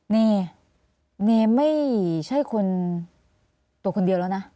เนไม่ใช่คนตัวคนเดียวแล้วนะ